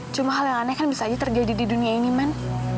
cuma hal yang aneh kan bisa aja terjadi di dunia ini man